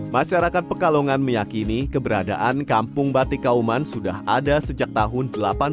masyarakat pekalongan meyakini keberadaan kampung batik kauman sudah ada sejak tahun